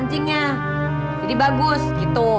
pengacauan sama youngest